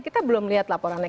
kita belum lihat laporannya